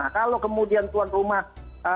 kalau kemudian tuan rumah itu tidak akan bergabung